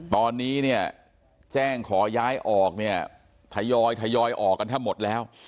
ตอนนี้เนี่ยแจ้งขอย้ายออกเนี่ยทยอยทยอยออกกันแทบหมดแล้ว